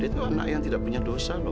dia tuh anak yang tidak punya dosa loh